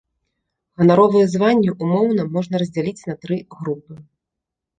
Ганаровыя званні ўмоўна можна раздзяліць на тры групы.